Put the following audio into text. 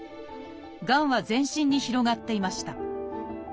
がんは全身に広がっていました